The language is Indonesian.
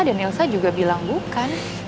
dan elsa juga bilang bukan